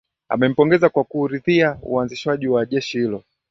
Amempongeza kwa kuridhia uanzishwaji wa jeshi hilo